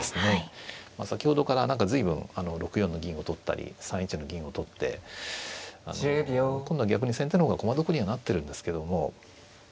先ほどから何か随分６四の銀を取ったり３一の銀を取ってあの今度は逆に先手の方が駒得にはなってるんですけども。